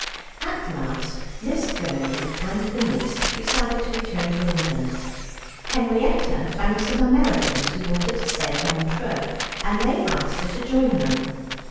At last Miss Gurney and the niece decided to return to England. Henrietta found some Americans who wanted to stay at Montreux, and they asked her to join them.